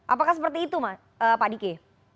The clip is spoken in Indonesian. apakah seperti itu pak diki